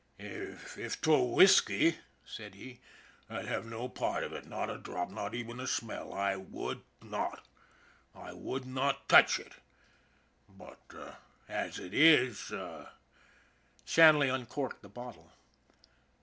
" If 'twere whisky," said he, " I'd have no part of it, not a drop, not even a smell. I would not. I would not touch it. But as it is " Shanley uncorked the bottle.